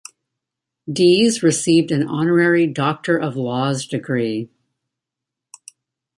Dees received an honorary Doctor of Laws degree.